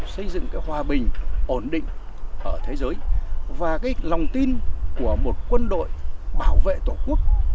xây dựng cái hòa bình ổn định ở thế giới và cái lòng tin của một quân đội bảo vệ tổ quốc